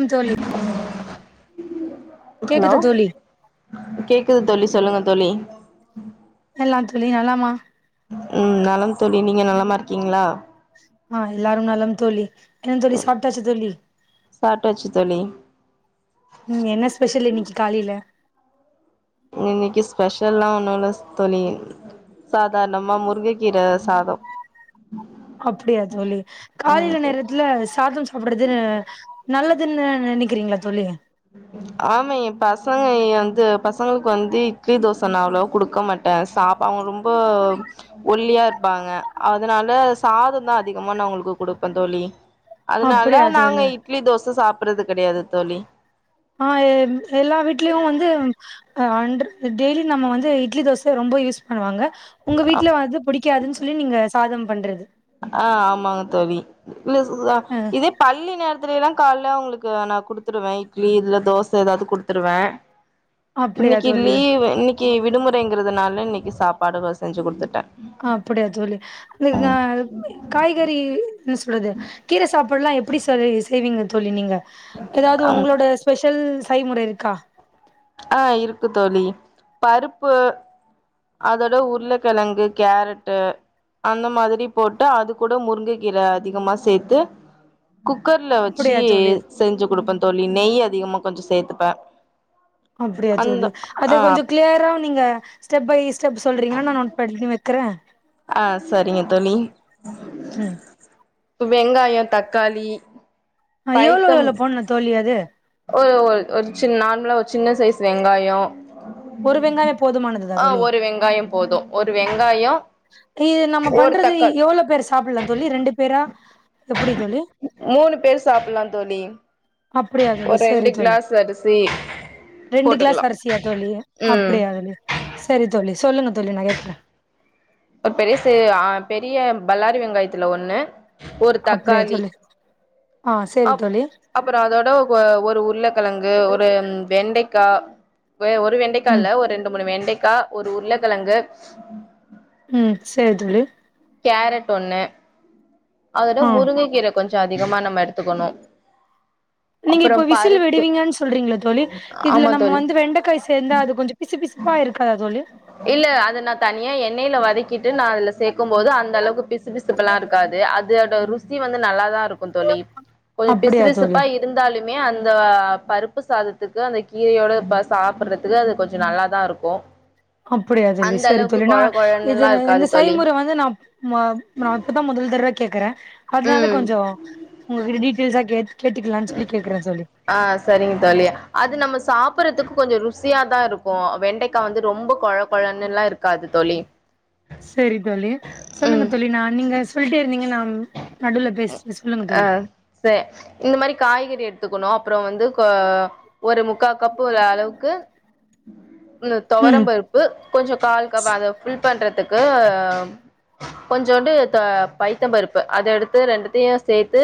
ம் தோழி ஹலோ கேக்குது தோழி கேக்குது தோழி சொல்லுங்க தோழி எல்லாந் தோழி நலமா ம் நலம் தோழி நீங்க நலமா இருக்கீங்களா ஆ எல்லாரும் நலம் தோழி என்ன தோழி சாப்டாச்சா தோழி சாப்ட்டாச்சு தோழி ம் என்ன ஸ்பெஷல் இன்னிக்கு காலில இன் இன்னிக்கு ஸ்பெஷ்ல்லா ஒன்னு இல்லஸ் தோழி சாதாரணமா முருங்க கீர சாதோ அப்டியா தோழி ஆமா காலைல தோழி நேரத்துல சாதம் சாப்புடுறது அ நல்லதுன்னு நெனைக்கிறீங்களா தோழி ஆமா எ பசங்க வந்து பசங்களுக்கு வந்து இட்லி தோச நா அவ்ளோவா குடுக்க மாட் ட சாப்பாங்க அவுங்க ரொம்போ ஒல்லியா இருப்பாங்க அதனால சாதந்தா அதிகமா நா அவுங்களுக்கு குடுப்பந் தோழி அதுனால அப்டியா நாங்க தோழி இட்லி தோச சாப்புடுறது கெடையாது தோழி ஆ எல்லா வீட்லயு வந்து அ அண்ரு டெய்லி நம்ம வந்து இட்லி தோச ரொம்ப யூஸ் பண்ணுவாங்க உங்க வீட்ல வந்து புடிக்காதுன் சொல்லி நீங்க சாதம் பண்றது ஆ ஆமாங்க தோழி இந்த அ [unintelligible] இதே பள்ளி நேரத்துல எல்லா கால்ல அவுங்களுக்கு நா குடுத்துருவ இட்லி இல்ல தோச எதாவது குடுத்துருவ அப்டியா இன்னிக்கு தோழி லீவு இன்னிக்கு விடுமுறைங்குறதுனால இன்னிக்கு சாப்பாடுகள் செஞ்சு குடுத்துட்ட அப்புடியா தோழி இந்தக்கு அ காய்கறி என்ன சொல்றது கீரை சாப் ப்புல்லா எப்டி தோழி செய்வீங்க தோழி நீங்க எதாவது ம் உங்களோட ஸ்பெஷல் சைமுறை இருக்கா ஆ இருக்கு தோழி பருப்பு அதோட உருளக்கெழங்கு கேரட்டு அந்த மாதிரி போட்டு அது கூட முருங்க கீர அதிகமா சேத்து குக்கர்ல வெச்சு அப்படியா தோழி செஞ்சு கொடுப்பந் தோழி நெய் அதிகமா கொஞ்சோ சேத்துப்ப அப்டியா தோழி அது ஆ கொஞ்சோ கிளியரா நீங்க ஸ்டெப் பை ஸ்டெப் சொல்றீங்களா நா நோட் பண்ணி வெக்குற ஆ சரிங்க தோழி ம் வெங்காயோ தக்காளி எவ்ளோ பைத்தம் எவ்ளோ போடணு தோழி அது ஒரு ஒர் ஒர் சின் நார்ம்ல்லா ஒர் சின்ன சைஸ் வெங்காயொ ஒரு வெங்காய போதுமானதுதா தோழி காயபோது ஒரு வெங்காயொ இது நம்ம பண்றது எவ்ளோ பேரு சாப்பிட்ல்லா தோழி ரெண்டு பேரா எப்புடி தோழி மூணு பேரு சாப்புல்லா தோழி அப்புடியா தோழி ஒரு செரி ரெண்டு தோழி கிளாஸ் அரிசி ரெண்டு கிளாஸ் போட்டுக்கலா அரிசியா தோழி ம் சரி தோழி சொல்லுங்க நா கேக்குறே ஒரு பெருசு ஆ பெரிய பல்லாரி வெங்காயத்துல ஒண்ணு ஒர் அப்படியா தக்காளி தோழி ஆ சேரி அப் தோழி அப்பறோ அதோட அ ஒரு உருளக்கெழங்கு ஒரு வெண்டக்கா ஒரு வெண் வெண்டைக்கா ம் இல்ல ஒரு ரெண்டு மூணு வெண்டைக்கா ஒரு உருளக்கெழங்கு ம் சேர் தோழி கேரட் ஒன்னு அதோட ஆ முருங்க கீர கொஞ்சொ அதிகமா நம்ம எடுத்துக்கொணு நீங்க இப்ப விசில் விடுவிங்கன் சொல்றீங்களா தோழி ஆமா இதுல தோழி நம்மவந்து வெண்டைக்காய் சேந்தா அது கொஞ்சொ பிசு பிசுப்பா இருக்காதா தோழி இல்ல அது நா தனியா எண்ணெய்ல வதக்கிட்டு நா அதுல சேக்கும்போது அந்த அளவுக்கு பிசு பிசுப்பெலாஇருக்காது து அதோட ருசி வந்து நல்லாதா தா இருக்கு தோழி பிசு அப்படியா தோழி பிசுப்பா இ இருந்தாலுமே அந்த பருப்பு சாதத்துக்கு அந்த கீரையோடு ப்ப சாப்புட்றதுக்கு அது கொஞ்சொ நல்லா தாஇருக்கூ அப்புடியா தோழி செரி தோழி நா இது கொழன்னுல்லா இருக்காது இந்த தோழி செய்முற வந்து நா ஆமா நா இப்பதா முதல் தடவை கேக்குறே அதனால ம் கொஞ்சொ உங்ககிட்ட டீட்டெயில்ஸா கே கேட்டுக்கலான் சொல்லி கேக்குறே தோழி ஆ செரிங்க தோழி அது நம்ம சாப்பிடறதுக்கு கொஞ்சொ ருசியாதாருக்கு வெண்டைக்கா வந்து ரொம்ப கொழ கொழன்னுல்லாருக்காது தோழி செரி தோழி சொல்லுங்க ம் தோழி நா நீங்கள் சொல்ட்டே இருந்தீங்க நா நடுவுல பேசிட்ட சொல்லுங்க ஆ தோழி சே இந்த மாரி காய்கறி எடுத்துக்குணு அப்புறோ வந்து ஒரு முக்காகப்பு ஒரு அளவுக்கு ந்த ம் தொவரம்பருப் பு கொஞ்சொ கால்கப் அத ஃபுல் பண்றதுக்கு கொஞ்சோண்டு தொ பைத்தம்பருப்பு அத எடுத்து ரெண்டுத்துயு சேத்து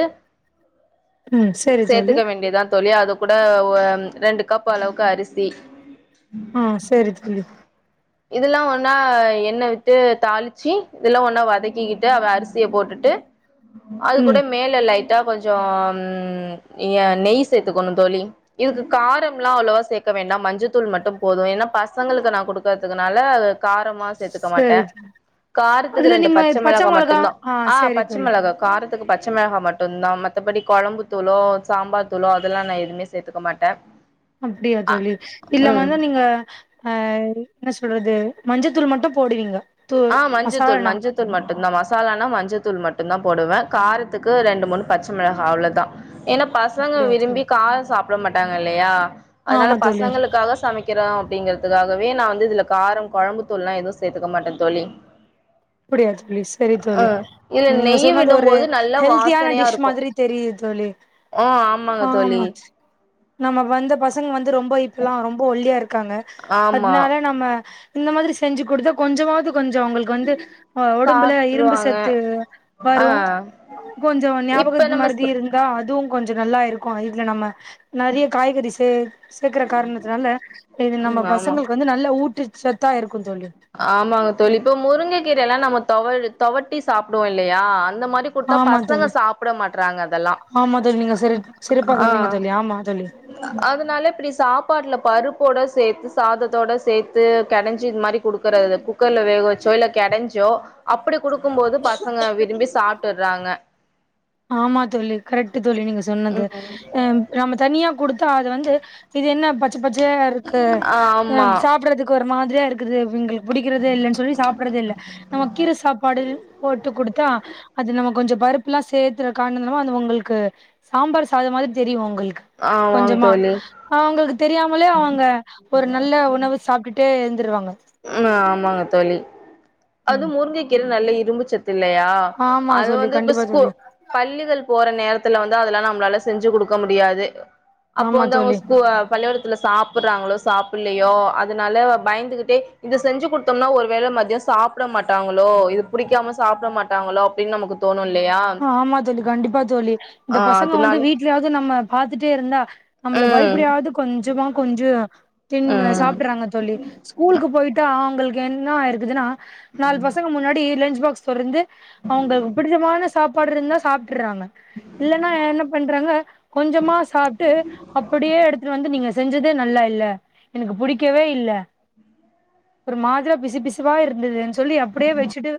ம் சேத்துக்க வேண்டியதா தோழி அதூ கூட ஒ ரெண்டு கப் அளவுக்கு அரிசி ம் செரி தோழி இதெல்லா ஒன்னா எண்ணெய விட்டு தாளிச்சு இதெல்லா ஒன்னா வதக்கிக்கிட்டு அவ அரிசிய போட்டுட்டு அது கூட ம் மேல லைட்டா கொஞ்சொ ம் ஏ நெய் சேத்துக்கணு தோழி இதுக்கு காரம்ல்லா அவ்ளவா சேக்க வேண்டா மஞ்சத்தூள் மட்டுபோது ஏன்னா பசங்களுக்கு நா கொடுக் தத்துக்குனால காரம் மா சேத்துக்க மாட்டே சரி காரத்துக்கு அதுல ரெண்டு பச்ச மிளகா மொளகா மட்டுந்தா ஆ சரி பச்ச தோழி காரத்துக்கு பச்சமிளகா மட்டுதா மத்தபடி கொழம்பு தூளோ சாம்பார்தூளோ அதெல்லா நா எதுவுமே சேத்துக்க மாட்டே அப்டியா அ தோழி ம் இல்லவந்து நீங்க அ என்ன சொல்றது மஞ்சத்தூள் மட்டு போடுவீங்க தூ மசால்னா தூள் மட்டு தா மசாலானா மஞ்சத்தூள் மட்டு தா போடுவே காரத்துக்கு ரெண்டு மூண் பச்ஙமிளகா அவ்ளோதா ஏனா பசங்க அப்டியா தோழி விரும்பி காரொ சாப்பிட மாட்டாங்க இல்லையா அதனால ஆமா தோழி பசங்களுக்காக சமைக் சமைக்கிறொ அப்டிங்கறதுக்காகவே நா வந்து இதுல கார கொழம்புத்தூள்ல்லா எதுவு சேத்துக்க மாட்டே தோழி அப்டியா தோழி செரி ஆ தோழி இதுல நீங்க நெய்யி சொன்னது ஒரு விடும்போது நல்லா ஹெல்த்தியான வாசனையா டிஷ் இருக்கு மாரி தெரியுது தோழி ஆ ஆமாங்க தோழி ஆமா நம்ம வந்த பசங்க வந்து ரொம்ப இப்பல்லா ரொம்ப ஒல்லியா இருக்காங்க ஆமா அதனால நம்ம இந்த மாரி செஞ்சு குடுத்தா கொஞ்சமாவ கொஞ்சோ அவுங்களுக்கு வந்து அ ஒடம்புல இரும்பு சாப்ட்ருவாங்க சத்து ஆ வரு கொஞ்சோ இப்ப ஞாபகத் நம்ம மறதி சு இருந்தா அதுவு கொஞ்சோ நல்லா இருக்கு இதுல நம்ம நெறைய காய்கறி சேக் சேக்குற காரணத்துனால இது நம்ம ம் ஆமா பசங்களுக்கு வந்து நல்ல ஊட்டச்சத்தா இருக்கு தோழி ஆமாங்க தோழி இப்ப முருங்கக்கீரையெல்லா நம்ம தொவ தொவட்டி சாப்டுவோ இல்லையா அந்த மாரி குடுத்தா ஆமா பசங்க தோழி சாப்ட மாட்றாங்க அதெல்லா ஆமா தோழி நீங்க சிறட் சிறப்பா ஆ சொன்னீங்க தோழி ஆமா தோழி அதனால இப்டி சாப்பாட்டுல பருப்போட சேத்து சாதத்தோட சேத்து கெடைஞ்சி இது மாரி குடுக்குறது குக்கர்ல வேக வச்சோ இல்ல கெடஞ்சோ அப்டி குடுக்குபோது பசங்க விரும்பி சாப்ட்டுறாங்க ஆமா தோழி கரட்டு தோழி நீங்க சொன்னது ம் அ நம்ம தனியா குடுத்தா அது வந்து இது என்ன பச்ச பச்சயா இருக்கு அ ஆமா சாப்டுறதுக் கு ஒரு மாதிரியா இருக்குது எங்ளுக்கு புடிக்கறதே இல்லேன்னு சொல்லி சாப்பறதே இல்ல நம்ம கீர சாப்பாடு போட்டு குடுத்தா அது நம்ம கொஞ்சோ பருப்புல்லா சே [unintelligible] அது உங்களுக்கு சாம்பார் சாதோ மாதிரி தெரியு உங்களுக்கு ஆமாங்க கொஞ்சமா தோழி அவுங்களுக்கு தெரியாமலே அவுங்க ஒரு நல்ல உணவு சாப்ட்டுட்டே எழுந்துருவாங்க ம் ஆமாங்க தோழி அது முருங்க கீர நல்ல இரும்புச் சத்து இல்லையா ஆமா அது தோழி வந்து இப்ப கண்டிப்பா ஸ்கூ தோழி பள்ளிகள் போற நேரத்துல வந்து அதல்லா நம்மளால செஞ்சு குடுக்க முடியாது அப்போ ஆமா வந்து தோழி அவுங்க ஸ்கூ பள்ளிகூடத்துல சாப்புறாங்களோ சாப்புல்லையோ அதனால பயந்துகிட்டே இத செஞ்சு குடுத்தோம்னா ஒரு வேள மதியோ சாப்ட மாட்டாங்களோ இது புடிக்காம சாப்ட மாட்டாங்களோ அப்டின்னு நமக்கு தோணு இல்லையா ஆமா தோழி கண்டிப்பா தோழி இந்த ஆ பசங்க வந்து அதனால வீட்லயாவ்து நம்ம பாத்துட்டே இருந்தா நம்ள ம் பயப்படியாவ்து கொஞ்சமா கொஞ்சோ தின் ம் சாப்டுறாங்க தோழி ஸ்கூலுக்கு போயிட்டா அவுங்களு என்ன ஆயிருக்குதுன்னா நாலு பசங்க முன்னாடி லன்ச் பாக்ஸ் தொறந்து அவுங்க புடிச்சமான சாப்பாடு இருந்தா சாப்ட்டுறாங்க இல்லன்னா என்ன பண்றாங்க கொஞ்சமா சாப்ட்டு அப்டியே எடுத்துட்டு வந்து நீங்க செஞ்சதே நல்லா இல்ல எனக்கு புடிக்கவே இல்ல ஒரு மாதிரியா பிசு பிசுவா இருந்துதுன்னு சொல்லி அப்டியே வெச்சுட்டு